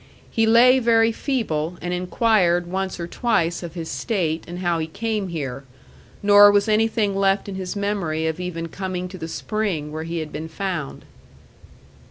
He lay very feeble, and inquired once or twice of his state and how he came here; nor was anything left in his memory of even coming to the spring where he had been found.